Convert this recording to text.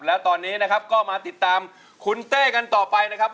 แล้วตอนนี้นะครับก็มาติดตามคุณเต้กันต่อไปนะครับ